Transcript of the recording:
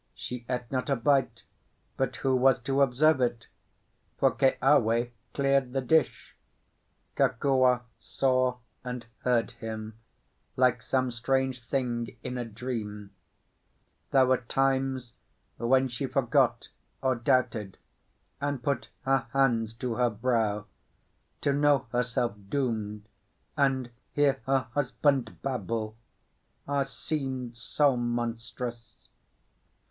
She ate not a bite, but who was to observe it? for Keawe cleared the dish. Kokua saw and heard him, like some strange thing in a dream; there were times when she forgot or doubted, and put her hands to her brow; to know herself doomed and hear her husband babble, seemed so monstrous.